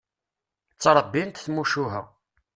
Ttrebbint tmucuha.